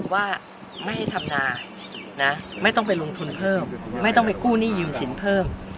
ว่าไม่ให้ทำนาไม่ต้องไปลงทุนเพิ่มไม่ต้องไปกู้หนี้ยืมสินเพิ่ม